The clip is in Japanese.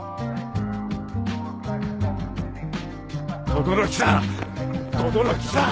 轟さん轟さん！